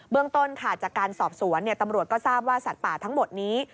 เรื่องต้นค่ะจากการสอบสวนตำรวจก็ทราบว่าสัตว์ป่าทั้งหมดนี้